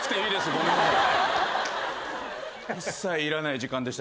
ごめんなさい。